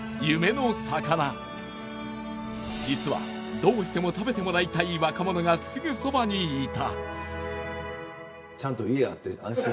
実はどうしても食べてもらいたい若者がすぐそばにいた。